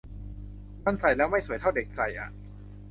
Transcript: มันใส่แล้วไม่สวยเท่าเด็กใส่อะ